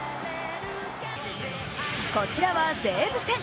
こちらは西武戦。